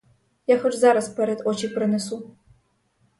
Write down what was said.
Я хоч зараз перед очі принесу!